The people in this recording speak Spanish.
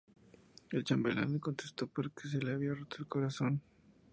El chambelán le contesto que porque se le había roto el corazón.